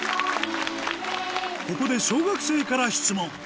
ここで小学生から質問